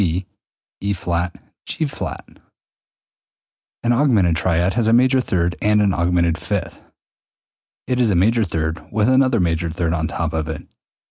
C E[flat] G[flat]. An augmented triad has a major third and an augmented fifth, i.e., it is a major third with another major third on top of it.